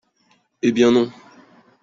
Eh bien non